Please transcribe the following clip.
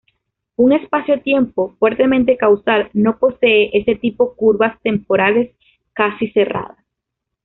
Un espacio-tiempo fuertemente causal no posee ese tipo curvas temporales "casi-cerradas".